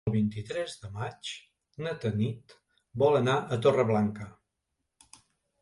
El vint-i-tres de maig na Tanit vol anar a Torreblanca.